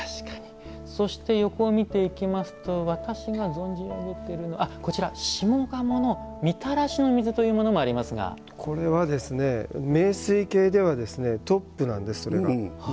そして横を見ていきますと私が存じ上げているのはこちら、下鴨の御手洗の水というものもこれは名水系ではトップなんです、それが。